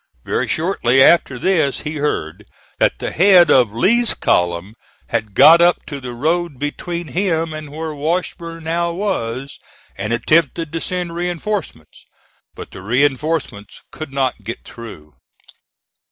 Very shortly after this he heard that the head of Lee's column had got up to the road between him and where Washburn now was, and attempted to send reinforcements, but the reinforcements could not get through.